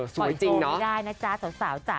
สวยจริงนะปล่อยโทษได้นะจ๊ะสาวจ๊ะ